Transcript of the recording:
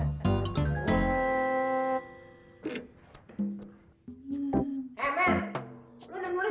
jaga keamanan ibu an